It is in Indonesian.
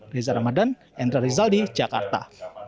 riza ramadan endra rizal di jakarta